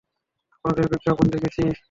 আপনাদের বিজ্ঞাপন দেখেছি।